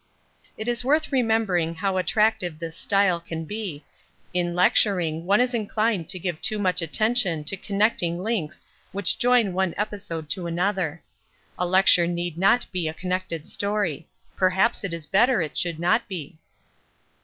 It is worth remembering how attractive this style can be in lecturing one is inclined to give too much attention to connecting links which join one episode to another. A lecture need not be a connected story; perhaps it is better it should not be.